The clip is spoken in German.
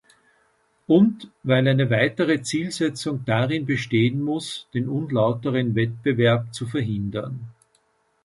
Und weil eine weitere Zielsetzung darin bestehen muss, den unlauteren Wettbewerb zu verhindern.